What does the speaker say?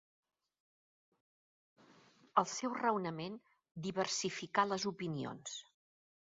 El seu raonament diversificà les opinions.